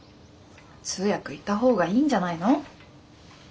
通訳いた方がいいんじゃないの？